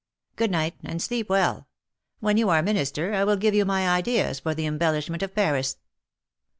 Good night, and sleep well. When you are Minister, I will give you my ideas for the embellishment of Paris."